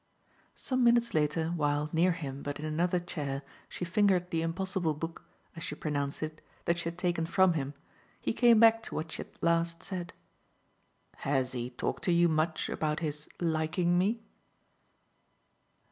Some minutes later, while, near him but in another chair, she fingered the impossible book, as she pronounced it, that she had taken from him, he came back to what she had last said. "Has he talked to you much about his 'liking' me?"